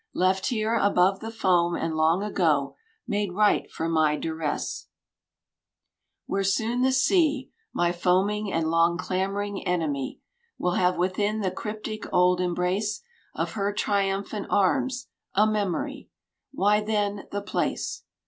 Left here above the foam and long ago Made right for my duress; |27| Where soon the sea, My foaming and long clamoring enemy, Will have within die cryptic, old embrace Of her trimnphant arms — a memoiy. Why then, the place